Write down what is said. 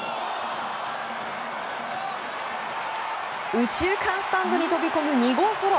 右中間スタンドに飛び込む２号ソロ。